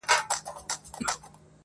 o و گټه، پيل وڅټه.